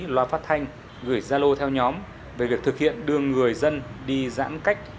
loa phát thanh gửi gia lô theo nhóm về việc thực hiện đưa người dân đi giãn cách